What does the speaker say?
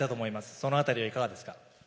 そのあたりはいかがですか。